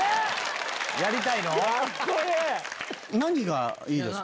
何がいいですか？